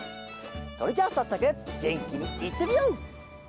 それじゃあさっそくげんきにいってみよう！